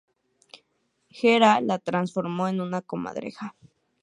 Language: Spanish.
Hera la transformó en una comadreja.